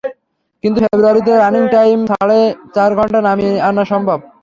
কিন্তু ফেব্রুয়ারিতে running time সাড়ে চার ঘণ্টায় নামিয়ে আনা সম্ভব নয়।